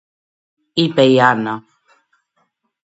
είπε η Άννα